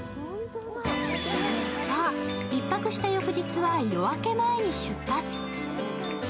１泊した翌日は夜明け前に出発。